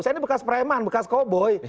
saya ini bekas preman bekas koboi